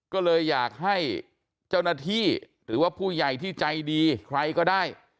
ก็เลยอยากให้เจ้าหน้าที่หรือว่าผู้ใหญ่ที่ใจดีใครก็ได้